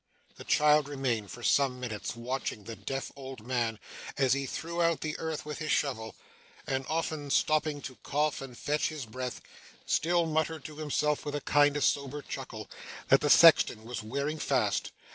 The child remained, for some minutes, watching the deaf old man as he threw out the earth with his shovel, and, often stopping to cough and fetch his breath, still muttered to himself, with a kind of sober chuckle, that the sexton was wearing fast.